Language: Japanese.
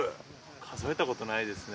数えたことないですね。